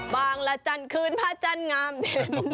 ละจันทร์คืนพระจันทร์งามเด่น